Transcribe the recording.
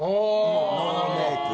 ノーメイク。